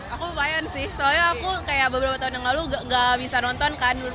aku lumayan sih soalnya aku kayak beberapa tahun yang lalu gak bisa nonton kan